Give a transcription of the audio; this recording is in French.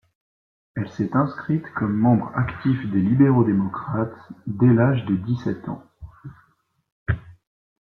Elle s'est inscrite comme membre actif des Libéraux-démocrates dès l'âge de dix-sept ans.